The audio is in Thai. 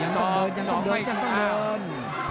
ยังต้องเดิน